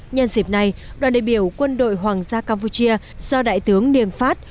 nhân dịp này đoàn đại biểu quân đội hoàng gia campuchia do đại tướng nig phát